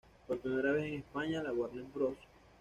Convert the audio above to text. Por primera vez en España la Warner Bros.